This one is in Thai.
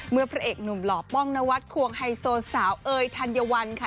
พระเอกหนุ่มหล่อป้องนวัดควงไฮโซสาวเอ๋ยธัญวัลค่ะ